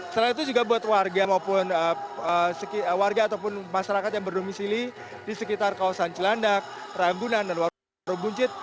selain itu juga buat warga maupun warga ataupun masyarakat yang berdomisili di sekitar kawasan cilandak rambunan dan warung buncit